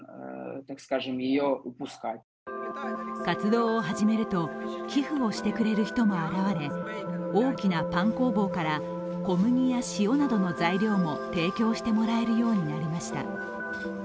活動を始めると寄付をしてくれる人も現れ、大きなパン工房から小麦や塩などの材料も提供してもらえるようになりました。